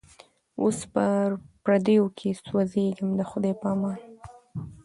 اوس په پردیو کي سوځېږمه د خدای په امان